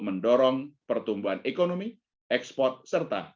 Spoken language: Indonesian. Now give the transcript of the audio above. mendorong pertumbuhan ekonomi ekspor serta